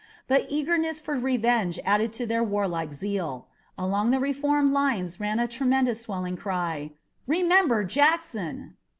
But eagerness for revenge added to their warlike zeal. Along the reformed lines ran a tremendous swelling cry: "Remember Jackson!"